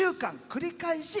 繰り返し